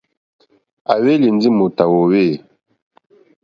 À hwélì ndí mòtà wòòwê.